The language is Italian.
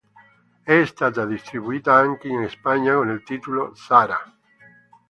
È stata distribuita anche in Spagna con il titolo "Sara".